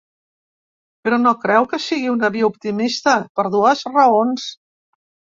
Però no creu que sigui una via optimista, per dues raons.